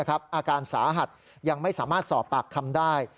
อาการสาหัสยังไม่สามารถสอบปากคำได้